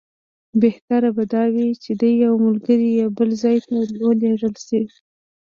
بهتره به دا وي چې دی او ملګري یې بل ځای ته ولېږل شي.